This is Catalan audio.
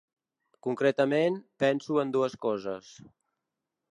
Concretament, penso en dues coses.